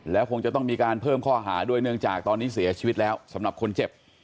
แล้วคงจะต้องมีการเพิ่มข้อหาด้วยเนื่องจากตอนนี้เสียชีวิตแล้วสำหรับคนเจ็บ